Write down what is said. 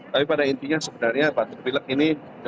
tapi pada intinya sebenarnya batuk pilek ini